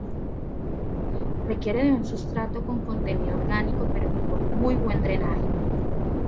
Requiere de un sustrato con contenido orgánico, pero con muy buen drenaje.